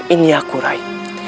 ini aku rai